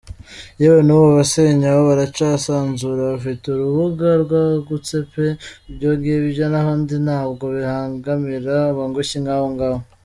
yewe nubu abasenyabo baracasanzura, bafite urubuga rwagutsepe! Ibyongibyo ahandi ntabwo bihanganira abangushyi nkabongabo!